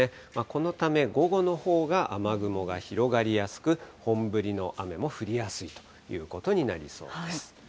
このため、午後のほうが雨雲が広がりやすく、本降りの雨も降りやすいということになりそうです。